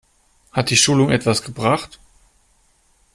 Hat die Schulung etwas gebracht?